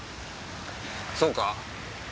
そうか？